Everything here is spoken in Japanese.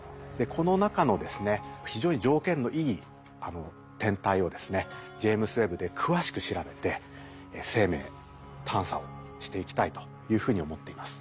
この中のですね非常に条件のいい天体をですねジェイムズ・ウェッブで詳しく調べて生命探査をしていきたいというふうに思っています。